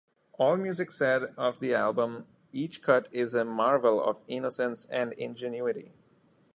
Allmusic said of the album each cut is a marvel of innocence and ingenuity.